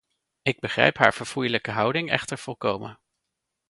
Ik begrijp haar verfoeilijke houding echter volkomen.